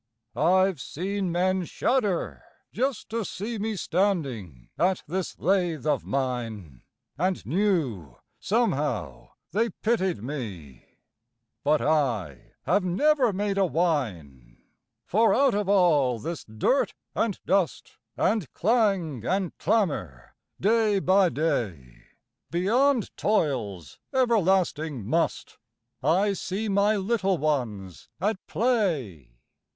I've seen men shudder just to see Me standing at this lathe of mine, And knew somehow they pitied me, But I have never made a whine; For out of all this dirt and dust And clang and clamor day by day, Beyond toil's everlasting "must," I see my little ones at play.